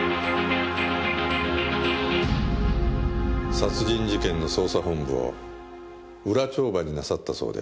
殺人事件の捜査本部を裏帳場になさったそうで。